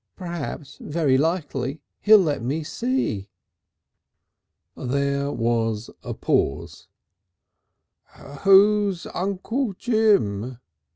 P'raps, very likely, he'll let me see." There was a pause. "Who's Uncle Jim?"